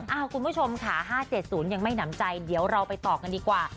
เอ้าคุณผู้ชมขาห้าเจ็ดศูนย์ยังไม่หนำใจเดี๋ยวเราไปต่อกันดีกว่า